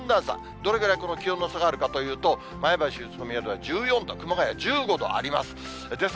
どれぐらいこの気温の差があるかというと、前橋、宇都宮では１４度、熊谷は１５度あります。